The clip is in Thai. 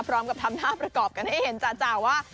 พร้อมกับทำท่าประกอบกันให้เห็นจ่าว่า